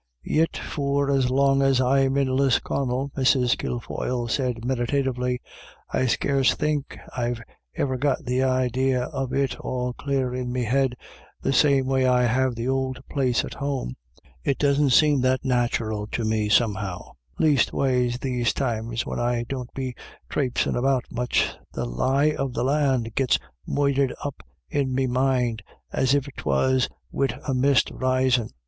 " Yit for as long as I'm in Lisconnel," Mrs. Kil foyle said meditatively, " I scarce think I've iver got the idee of it all clare in me head the same way I have the ould place at home. It doesn't seem that nathural to me somehow ; lasteways these times when I don't be trapesin' about much, the lie of the Ian' gits moidhered up in me mind, as if 'twas wid a mist risin'.